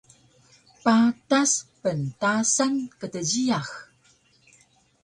Patas pntasan kdjiyax